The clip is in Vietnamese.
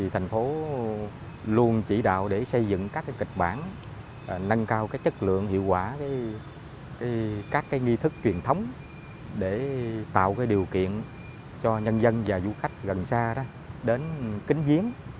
thành phố luôn chỉ đạo để xây dựng các kịch bản nâng cao chất lượng hiệu quả các nghi thức truyền thống để tạo điều kiện cho nhân dân và du khách gần xa đến kính giếng